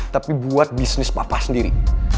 tapi buat bisnis papa sendiri